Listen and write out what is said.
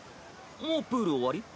もうプール終わり？